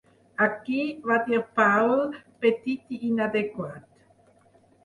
"Aquí", va dir Paul, petit i inadequat.